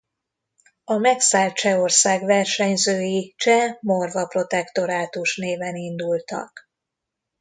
A megszállt Csehország versenyzői Cseh–Morva Protektorátus néven indultak.